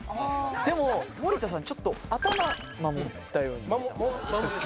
でも森田さんちょっと頭守ったように見えたんすよ・